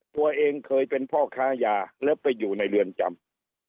ตัวเองเคยเป็นพ่อค้ายาแล้วไปอยู่ในเรือนจำ